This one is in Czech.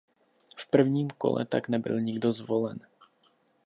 V prvním kole tak nebyl nikdo zvolen.